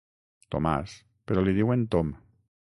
Tomàs, però li diuen Tom.